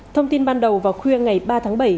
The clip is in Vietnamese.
thông tin ban đầu vào khuya ngày ba tháng bảy